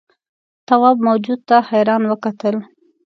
تواب موجود ته حیران وکتل.